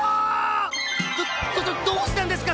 どどどどうしたんですか！？